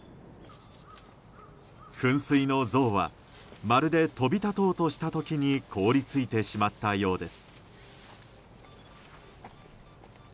噴水の像はまるで飛び立とうとした時に凍り付いてしまったようです。